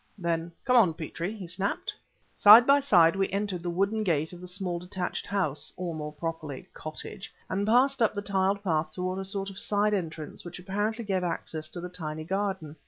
Then: "Come on, Petrie!" he snapped. Side by side we entered the wooden gate of a small detached house, or more properly cottage, and passed up the tiled path towards a sort of side entrance which apparently gave access to the tiny garden.